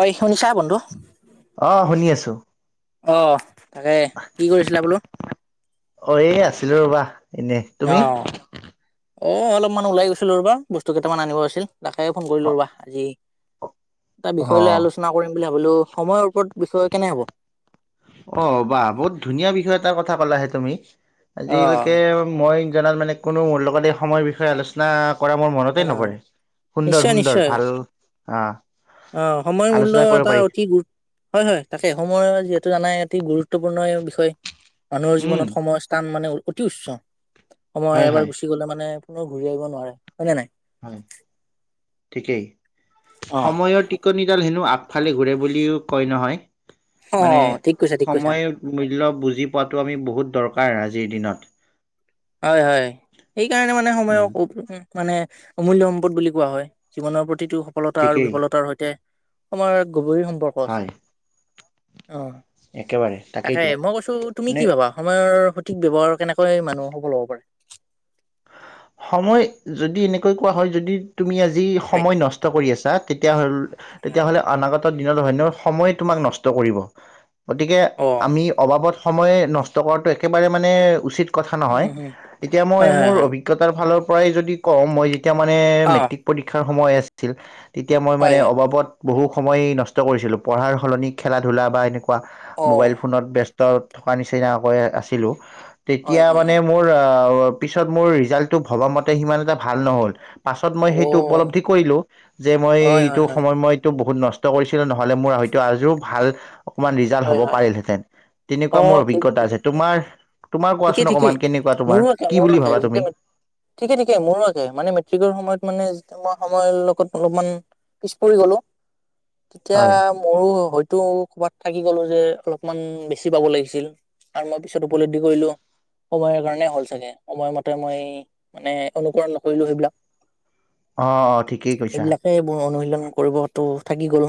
ঐ শুনিছা বন্ধু দো আহ তাকে কি কৰিছিলা বোলো অ এই আছিলো ৰ'বা এনে অ তুমি অ অলপমান ওলাই গৈছিলো ৰবা বস্তু কেইটামান আনিব আছিল তাকে ফোন অ কৰিলোঁ ৰ'বা আজি এটা অ বিষয় লৈ আলোচনা কৰিম বুলি ভাবিলো সময়ৰ ওপৰত বিষয় কেনে হ'ব অ বাহ বহুত ধুনীয়া বিষয় এটাৰ কথা ক'লাহে তুমি অ আজিলৈকে মই জনাত মানে কোনো মোৰ লগত এই সময়ৰ বিষয়ে আলোচনা কৰা মোৰ মনতে অঁঃ নপৰে সুন্দৰ নিশ্চয় সুন্দৰ নিশ্চয় ভাল আহ অঁঃ সময়ৰ মূল্য আলোচনা কৰিব এটা পাৰি অতি গুৰুত্ব হয় হয় তাকে সময়ৰ যিহেতু টো জানাই অতি গুৰুত্বপূৰ্ণ বিষয় মানুহৰ উম জীৱনত সময়ৰ স্থান মানে অতি উচ্চ। সময় হয় এবাৰ হয় গুচি গ'লে মানে কোনো ঘূৰি আহিব নোৱাৰে। হয় নে নাই? হয় ঠিকেই। অ সময়ৰ টিকনি। এইডাল হেনো আগফালে ঘূৰে বুলিও কয় নহয়। অ মানে ঠিক কৈছা ঠিক কৈছা সময় মূল্য বুজি পোৱাতটো আমি বহুত দৰকাৰ আজি। জিৰ দিনত। হয় হয় সেইকাৰণে মানে উম সময়ৰ [inaudible] মানে অমূল্য সম্পদ বুলি কোৱা হয়, জীৱনৰ প্ৰতিটো সফলতা আৰু ঠিকেই বিফলতাৰ সৈতে, সময়ৰ গভীৰ সম্পৰ্ক হয় আছে। অ একেবাৰে তাকে তাকেইতো মই কৈছো তুমি মানে কি ভাবা সময়ৰ সঠিক ব্যবৱাৰ কেনেকৈ মানুহ'ব। ফল হব পাৰে? সময়, যদি এনেকৈ কোৱা হয় যদি। তুমি আজি হয় সময় নষ্ট কৰি আছা তেতিয়া হল হয় তেতিয়াহ'লে অনাগত দিনত হয় ন সময় তোমাক নষ্ট কৰিব। গতিকে অ আমি অবাবত সময় নষ্ট কৰাটো একেবাৰে মানে উচিত কথা উম নহয় হম এতিয়া মই হয় হয় মোৰ হয় অভি। তাৰ ফালৰ পৰাই যদি কওঁ মই। তেতিয়া মানে অ মেট্ৰিক পৰীক্ষা সময় আছিল তেতিয়া মই হয় মানে হয় অবাবত বহু সময় নষ্ট কৰিছিলো পঢ়াৰ সলনি খেলা ধূলা বা এনেকুৱা অ মোবাইল ফোনত ব্যস্ত। ত থকা নিচিনাকৈ আছিলোঁ। হয় তেতিয়া হয় মানে হয় মোৰ আ। পিছত মোৰ ৰিজাল্টটো ভবা মতে সিমান এটা ভাল নহল। পাছত মই অ সেইটো উপলব্ধি কৰিলো যে মই হয় হয় এইটো হয় সময় মই এইটো বহুত নষ্ট কৰিছিলো নহলে মোৰ হযতো আজো ভাল। অকমান ৰিজাল্ট হয় হ'ব হয় হয় পাৰিলহেতেন অ তেনেকুৱা মোৰ ঠিক অভিজ্ঞতা ঠিক আছে তোমাৰ তোমাৰ ঠিকেই কোৱাচোন ঠিকেই অকমান কেনেকুৱা মোৰো তোমাৰ একে কি মোৰো বুলি একে ভাবা যেতিয়া তুমি ঠিকে ঠিকে মোৰো আকে মানে মেট্ৰিকৰ, সময়ত মানে মই সময় লগত অলপমান পিছ পৰি গলো। তেতিয়া হয় মোৰো হয়তো কৰ'বাত থাকি গলো যে অলপমান বেছি পাব লাগিছিল আৰু মই পিছত উপলব্ধি কৰিলো। সময়ৰ কাৰণে হ'ল চাগে সময়মতে মই মানে অনুকৰণ নকৰিলো সেইবিলাক অ অ ঠিকেই কৈছা কৰিবতটো থাকি গ'লো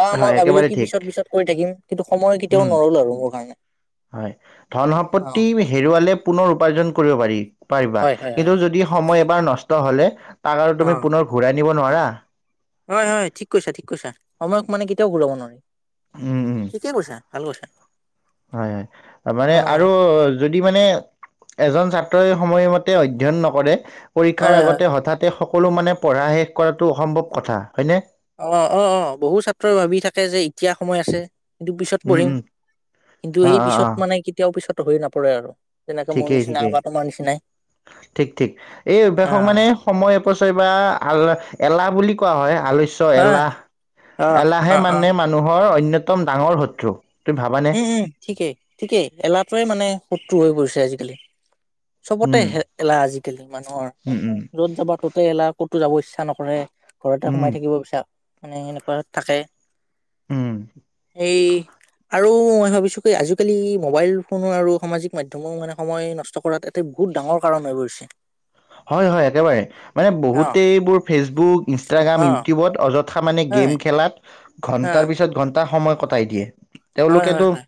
আহ মমই হয় ভাবিলো একেবাৰে কি ঠিক পিছত পিছত কৰি থাকিম কিন্তু সময় কেতিয়াও উম নৰল আৰু মোৰ কাৰণে অ সমাপত্তি হেৰুৱালে পুনৰ উপাৰ্জন কৰিব পাৰি। পাৰিবা হয় হয় হয় কিন্তু যদি সময় এবাৰ নষ্ট হ'লে তাক আৰু অ তুমি পুনৰ ঘূৰাই নিব নোৱাৰা। হয় হয় ঠিক কৈছা ঠিক কৈছা সময়ক মানে কেতিয়াও ঘূৰাব নোৱাৰিম। উম উম হয় হয় মানে অ আৰু যদি মানে এজন ছাত্ৰই সময়মতে অধ্যয়ন নকৰে। পৰীক্ষাৰ হয় হয় আগতে হঠাতে সকলো মানে পঢ়া শেষ কৰাটো অসম্ভৱ কথা হয়নে অ অ অ বহু ছাত্ৰই ভাবি থাকে যে এতিয়া সময় আছে। কিন্তু পিছত উম পঢ়িম উম কিন্তু অ সেই অ অ পিছত মানে কেতিয়াও পিছত হৈ নপৰে আৰু যেনেকে মোৰ ঠিকেই নিচিনা ঠিকেই, বা তোমাৰ নিচিনাই ঠিক ঠিক আহ এই-মানে সময় অপচয়বাৰ আলা এলাহ বুলি কোৱা হয় আলস্য হা এলাহ, অ এলাহে অ অ মানে মানুহৰ অন্য একদম ডাঙৰ শত্ৰু তুমি ভাবানে উম উম ঠিকেই ঠিকেই এলাহটোৱে মানে শত্ৰু হৈ গৈছে আজিকালি। উম চবতে-এলাহ আজিকালি মানুহৰ। উম উম য'ত যাবা ত'তে এলাহ ক'ত কতো যাব ইচ্ছা নকৰে ঘৰতে উম সোমাই থাকিব বিছাৰ মানে এনেকোৱা থাকে উম এই আৰু মই ভাবিছোঁ কি আজিকালি মোবাইলফোনো আৰু সামাজিক মাধ্যমো মানে সময় নষ্ট কৰাত এটা বহুত ডাঙৰ কাৰণ হৈ পৰিছে। হয় হয় একেবাৰে, মানে অ বহুতে এইবোৰ ফেচবুক, অ ইনষ্টাগ্ৰাম, ইউটিউবত অয থা মানে গেম হয় খেলাত হা ঘণ্টাৰ পিছত ঘন সময় কটাই দিয়ে। হয় হয় তেওঁলোকেতো হয়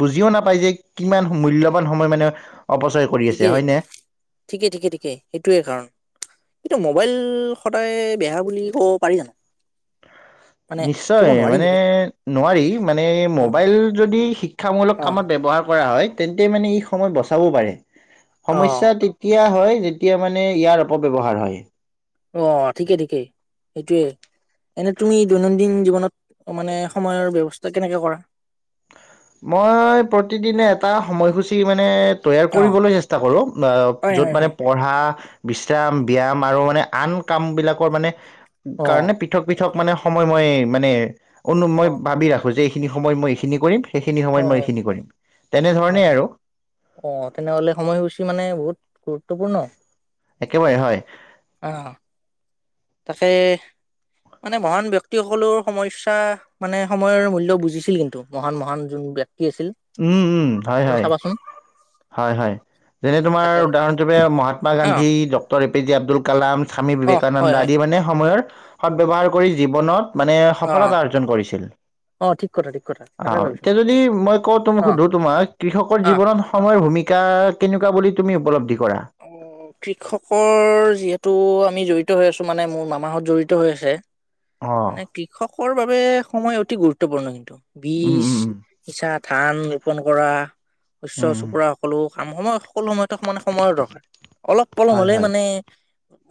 বুজিও নাপাই যে কিমান মূল্যৱান সময় মানে অপচয় কৰি আছে ঠিকেই, হয়নে ঠিকেই ঠিকেই ঠিকে। সেইটোৱে কাৰণ কিন্তু মোবাইল সদায় বেয়া বুলি ক'ব পাৰি জানো? মানে ক'ব নিশ্চয় নোৱাৰি মানে নেকি নোৱাৰি মানে অ মোবাইল যদি শিক্ষামূলক অ কামত ব্যৱহাৰ কৰা হয় তেন্তে মানে ই সময়ত বচাবও পাৰে। অ সমস্যা তেতিয়া হয় যেতিয়া মানে ইয়াৰ অপব্যৱহাৰ হয়। অ', ঠিকেই ঠিকেই সেইটোয়ে, এনে তুমি দৈনন্দিন জীৱনত মানে সময়ৰ ব্যৱস্থা কেনেকে কৰা? মই প্ৰতিদিনে এটা সময়সূচী মানে তৈয়াৰ অ কৰিবলৈ চেষ্টা কৰো হয় অ-য'ত হয় মানে হয় পঢ়া, বিশ্ৰাম ব্যায়াম আৰু মানে আন কাম বিলাকৰ মানে অ কাৰণে পৃথক পৃথক মানে সময় মই-মানে অ অনু-মই ভাবি ৰাখোঁ যে সেইখিনি সময় মই এইখিনি কৰিম। সেইখিনি সময়ত হয় মই হয়, এইখিনি কৰিম অ, তেনেধৰণেই আৰু অ তেনেহলে সময়সূচী মানে বহুত তোকো ন একেবাৰে হয়। তাকে মানে মহান ব্যক্তিসকলৰ সমস্যা মানে সময়ৰ মূল্য় বুজিছিল কিন্তু মহান মহান যোন ব্যক্তি আছিল উম উম হয় তুমি হয় চাবাচোন হয় হয় যেনে তোমাৰ তাকে উদাহৰণ হিচাপে মহাত্মা অ গান্ধী ড A P J Abdul Kalam Swami অ বিবেকানন্দ হয় হয় আদি মানে সময়ৰ সদ ব্যয়ৱহাৰ কৰি জীৱনত মানে অ সফলতা অৰ্জন কৰিছিল অ ঠিক কথা ঠিক কথা তাকে আহ ভাবিছো এতিয়া যদি মই কওঁ তোমোক অ সুধো তোমাৰ কৃষকৰ, অ জীৱনত ভূমিকা কেনেকুৱা বুলি তুমি উপলব্ধি কৰা অ কৃষকৰ যিহেতু আমি জড়িত হৈ আছো মানে মোৰ মামাহঁত জড়িত হৈ আছে অ মানে কৃষকৰ বাবে সময় অতি গুৰুত্বপূৰ্ণ কিন্তু। উম বীজ উম উম সিচা, ধান ৰোপন কৰা, শস্য উম চপুৰা সকলো। কাম সময়ত সকলো সময়তে মানে অলপ পলম হয় হলেই হয় মানে-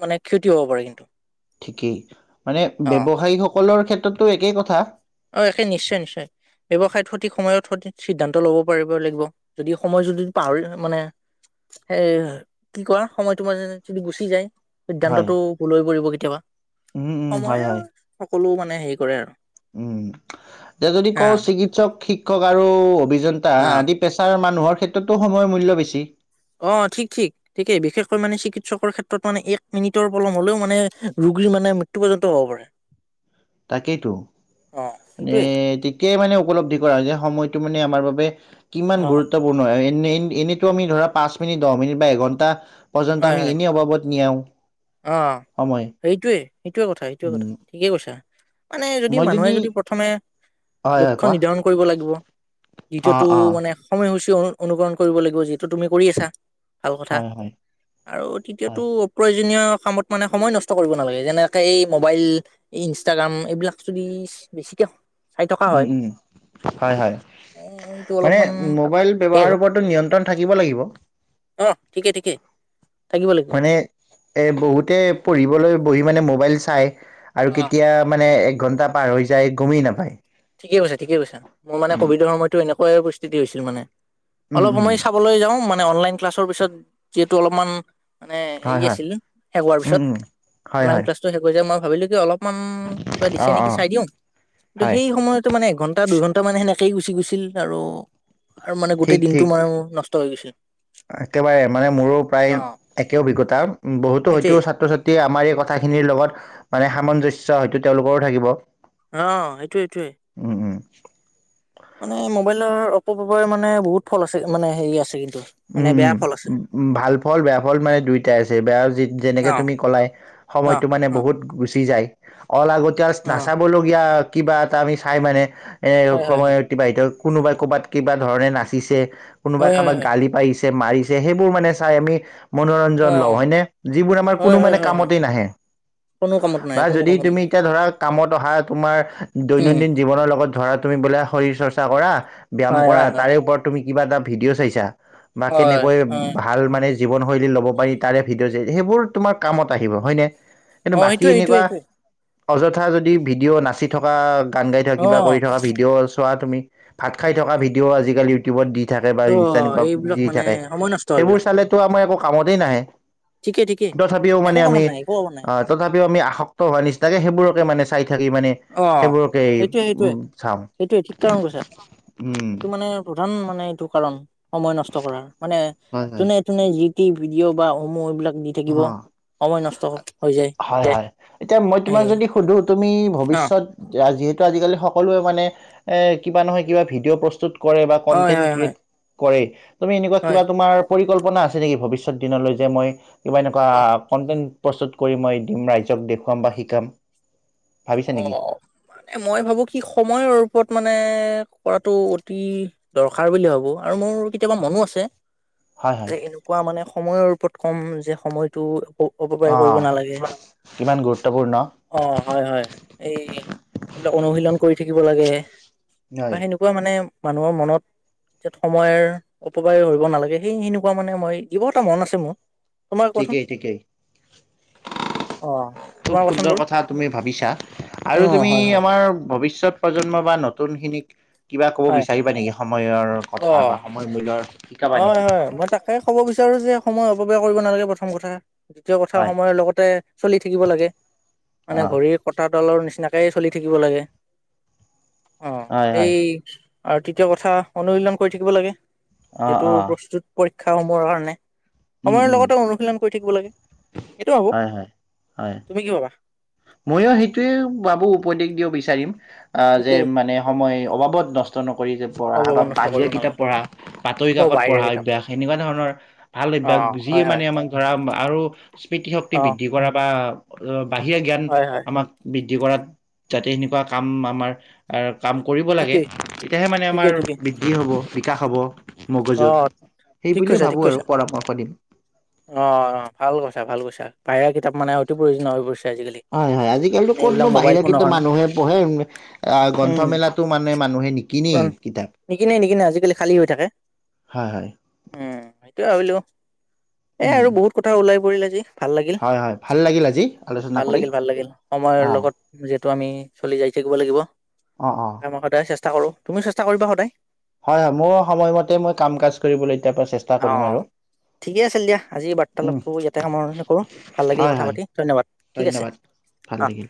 মানে ক্ষতি হ'ব পাৰে কিন্তু। ঠিকেই। মানে অ ব্যৱসায়ী সকলৰ ক্ষেত্ৰত একেই কথা অ একেই নিশ্চয় নিশ্চয়। ব্যৱসায়ত সঠিক সময়ত সঠিক সিদ্ধান্ত লব পাৰিব লাগিব। যদি সময় যদি পাহৰি মানে এ কি কোৱা সময়টো মানে যদি গুচি যায় হয় সিদ্ধান্তটো ভূল হৈ পৰিব কেতিয়াবা। উম উম হয় সময়ে হয় সকলো মানে হেৰি কৰে আৰু উম এতিয়া যদি হা কওঁ চিকিৎসক শিক শিক্ষক আৰু অভিযোগ হা আদি পেছাৰ মানে [unintelligible] লোৱাৰ ক্ষেত্ৰতোয়ৰ মূল্য বেছি অ ঠিক ঠিক। ঠিকেই, বিশেষকৈ মানে চিকিৎসকৰ ক্ষেত্ৰত মানে এক মিনিটৰ পলম হলেও মানে ৰোগীৰ মানে মৃত্যু পৰ্যন্ত হব পাৰে। তাকেইতো। অ মানে সেইটোয়ে তেতিয়াই মানে উপলব্ধি কৰা যে সময়, টো মানে আমাৰ বাবে কিমান অ গুৰুত্বপূৰ্ণ। এনেইতো আমি ধৰা পাঁচ মিনিট দহ মিনিট বা এঘণ্টা- পৰ্যন্ত হয় আমি হয় এনেই অভাৱত নিয়াও। অ সময় সেইটোয়ে, সেইটোৱে কথা, সেইটোয়ে কথা, উম ঠিকে কৈছে। মানে যদি মানুহে যদি প্ৰথমে হয় হয় লক্ষ্য কোৱা নিৰ্ধাৰণ কৰিব লাগিব। অ দ্বিতীয়তটো অ মানে সময় হৈছে অনুকৰণ কৰিব লাগিব যিহেতু তুমি কৰি আছা। ভাল কথা। হয় হয় আৰু হয় তৃতীয়টো অপ্ৰয়োজ প্ৰয়োজনীয় কামত মানে সময় নষ্ট কৰিব নালাগে। যেনেকে এই মোবাইল, ইনষ্টাগ্ৰাম, এইবিলাক যদি বেছিকে চাই থকা উম হয় উম, হয় হয়। এ এইটো অলপমান সেই আৰু অ ঠিকে ঠিকে থাকিব লাগিব। এই বহুতে পঢ়িবলৈ বহি মানে মোবাইল চায়, আৰু অ কেতিয়া মানে এক ঘণ্টাত পাৰ হৈ যায় গমেই নাপায়। ঠিকে কৈছে ঠিক কৈছে মোৰ মানে কভিড সময়তো এনেকুৱাই স্থিতি হৈছিল মানে উম অলপ উম সময় চাবলৈ যাওঁ মানে মে অনলাইন ক্লাছৰ পিছত যিহেতু অলপমান মানে হেৰি হয় হয় আছিল শেষ হোৱাৰ উম পিছত উম হয় অনলাইন হয় ক্লাছটো শেষ যাই মই ভাবিলো কি অলপ অমান কিবা দিছে অঁ নেকি অঁ চাই দিও কিন্তু হয় সেই সময়তো মানে এঘন এটা দুইঘণ্টা মানে সেনেকেই গুচি গৈছিল বাৰু আৰু মানে গোটেই ঠিক দিনটো ঠিক মানে নষ্ট হৈ গৈছে একেবাৰে মানে মোৰো প্ৰায় একে অভিজ্ঞতা বহুতো সেইটোৱে হয়তো ছাত্ৰ ছাত্ৰী আমাৰ এই কথা খিনিৰ লগত মানে সামঞ্জস্য হয়তো তেওঁলোকৰো থাকিব অ সেইটোৱে সেইটোয়ে উম উম মানে মোবাইলৰ অপপ্ৰৱ মানে বহুত ফল আছে মানে হেৰি আছিল উম উম উম ভাল ফল বেয়া ফল মানে দুয়োটাই আছে বেয়া যেনেকে অ তুমি কলাই অ সময়তটো মানে অ বহুত গুচি যায় অ লাগতীয়া অ নাচাবলগীয়া কিবা এটা আমি চাই মানে এনে হয় হয় সময় হয় অতিবাহিত কোনোবাই ক'ৰবাত কিবা ধৰণে নাচিছে কোনোবাই হয় হয় কাৰোবাক হয় গালি মাৰিছে সেইবোৰ মানে চাই আমি অ মনোৰঞ্জন লওঁ হয়নে যিবোৰ আমাৰ হয় কোনো হয় মানে হয় হয় কামতেই নাহে কোনো কামত নাই বা কোনো যদি কামত তুমি নাই এতিয়া ধৰা কামত অহা তোমাৰ উম দৈনন্দিন জীৱনৰ লগত ধৰা তুমি বলা শৰীৰ চৰ্চা কৰা ব্যায়াম হয় কৰা হয় হয় তাৰে ওপৰত তুমি কিবা এটা ভিডিঅ' চাইছা বা হয় কেনেকৈ হয় ভাল মানে জীৱনশৈলী ল'ব পাৰি তাৰে ভিডিঅ' সেইবোৰ তোমাৰ কামত আহিব হয়নে কিন্তু অ বাকী সেইটোয়ে এইটোয়ে এনেকুৱা এইটোয়ে অযথা যদি ভিডিঅ' নাচি থকা কাণ্ড এতিয়া অ কিবা কৰি থকা ভিডিঅ' চোৱাত তুমি ভাত খাই থকা ভিডিঅ' আজিকালি ইউটিউবত দি থাকে বা অ ইানষ্ট এইবিলাক দি মানে থাকে সময় নষ্ট এইবিলাক সেইবোৰ চালেতো আমাৰ একো, কামতেই নাহে। ঠিকে ঠিকে তথাপিও একো মানে কামত আমি নাই একো কামত নাই। অহ, ' তথাপিও আমি আসক্ত হোৱা নিচিনাকে সেইবোৰকে মানে, চাই থাকি মানে অ', সেইবোৰকে সেইটোৱে -সেইটোৱে। উম চাওঁ। সেইটোৱে ঠিক কাৰণ কৈছা আৰু উম সেইটো মানে প্ৰধান মানে, হিতো কাৰণ, সময় নষ্ট কৰাৰ মানে হয় হয় যোনে তোনে যি, এই ভিডিঅ' বা অমূহ এইবিলাক, দি অহ, থাকিব সময় নষ্ট হৈ যায়। ' হয় -হয় এতিয়া মই তোমাক এই যদি সুধো, ' তুমি অ', ভৱিষ্যত যিহেতু আজিকালি সক, সকলোৱে মানে এ ', কিবা নহয় কিবা, ভিডিঅ' প্ৰস্তুত, কৰে বা হয় কনটেণ্ট হয় হয়। -ক্ৰিয়েট, কৰেই। তুমি এনেকুৱা হয়। কিবা তোমাৰ? পৰিকল্পনা আছে নেকি ভৱিষ্যত দিনলৈ যে, মই, কিবা এনেকুৱা অ', কণ্টেণ্ট- ক্ৰীয়ে, প্ৰস্তুত কৰি মই দিম ৰাইজক দেখুৱাম বা শিকাম, ভাবিছা নেকি অহ, 'মানে মই ভাবো কি সময়ৰ ওপৰত, মানে কৰাটো অতি দৰকাৰ বুলি ভাবো আৰু মোৰ কেতিয়াবা মনো আছে। হয় হয় যে, এনেকুৱা মানে সময়ৰ ওপৰত কম যে, সময়টো। অপকাৰী অ কৰিব নালাগে কিমান গুৰুত্বপূৰ্ণ অ', হয় - হয়। এই, এইবিলাক অনুশীলন কৰি থাকিব লাগে। বা হয় সেনেকুৱা মানে, মানুহৰ মনত এ, সময়ৰ অপবায় কৰিব নালাগে সেই সেনেকুৱা মানে মই এইবোৰ এটা মন আছে মোৰ, তোমাৰ কোৱাচোন ঠিকেই- ঠিকেই অ খুব তোমাৰ কোৱাচোন সুন্দৰ বাৰু কথা তুমি ভাবিছা। অ আৰু তুমি হয় হয় আমাৰ, ভৱিষ্যত প্ৰজন্ম বা নতুন খিনিক, কিবা ক'ব হয় বিচাৰিবা নেকি সময়ৰ অ কথা বা সময় মূল্যৰ? শিকাবা নেকি হয়- হয় মই, তাকে ক'ব বিচাৰো যে, সময় অপবয় কৰিব নালাগে প্ৰথম কথা, দ্বিতীয় কথা, হয় সময়ৰ লগতে চলি থাকিব লাগে মানে অ ঘড়ীৰ কটাত, তলৰ নিচিনাকেই চলি থাকিব লাগে। অ হয় হয় এই আৰু তৃতীয় কথা অনুশীলন কৰি থাকিব লাগে অ এইটো অ প্ৰস্তুত পৰীক্ষ শিক্ষাসমূহৰ কাৰণে উম সময়ৰ উম লগতে অনুশীলন কৰি থাকিব লাগে এইটো ভাবো হয় হয় হয় তুমি কি ভাবা ময়ো সেইটোৱে বাবু উপদেশ দিব বিচাৰিম আহ যে ঠিকেই। মানে সময় অবাবত নষ্ট নকৰি যে পঢ়া বা অভাৱ নষ্ট বাহিৰা কৰিব কিতাপ নালাগে পঢ়া বাতৰি অ কাকত বাহিৰা পঢ়া কিতাপ অভ্য়াস এনেকুৱা ধৰণৰ ভাল অ অভ্যাস হয় যিয়ে মানে হয় আমাক ধৰা আৰু স্মৃতিশক্তি অ বৃদ্ধি কৰা বা অ বাহিৰা জ্ঞান হয় হয় আমাক দি কৰাত যাতে সেনেকুৱা কাম আমাৰ কাম কৰিব লাগে ঠিকেই তেতিয়াহে মানে আমাৰ বৃদ্ধি হ'ব বিকাশ হ'ব মগজুৰ আহ সেই ঠিক বুলিয়ে কৈছা ভাবো ঠিক আৰু কৈছা পৰামৰ্শ দিম আহ ভাল কৈছা ভাল কৈছা বাহিৰা কিতাপ মানে অতি প্ৰয়োজনীয় হৈ পৰিছে আজিকালি হয় হয় আজিকালিতো মানে ক'তনো এইবিলাক মোবাইল বাহিৰা ফোনৰ কিতাপ কাৰণে মানুহে পঢ়ে উম গ্ৰন্থমেলাতো মানে মানুহে নিকিনেই কিতাপ নিকিনে নিকিনে আজিকালি খালী হৈ হয় হয় মই টো ভাবিলোঁ এ উম আৰু বহুত কথা ওলাই কৰিলে যি ভাল লাগিল হয় হয় ভাল লাগিল আজি আলোচনা ভাল কৰি লাগিল ভাল লাগিল সময়ৰ অ লগত ত আমি চলি যাই থাকিব লাগিব অ অ মই সদায় চেষ্টা কৰো তুমি চেষ্টা ষ্টা কৰিবা সদায় হয় মোৰ সময়মতে মই কাম কাজ কৰিবলৈ এতিয়াৰ পৰা চেষ্টা অ কৰিম আৰু ঠিকেই আছিল দিয়া আজি উম বাৰ্তালাপটো ইয়াতে সামৰণি কৰো ভাল লাগিল হয় কথা হয় পাতি ধন্যবাদ ঠিক আছে ধন্যবাদ ভাল অ লাগিল